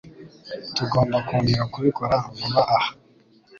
Tugomba kongera kubikora vuba aha.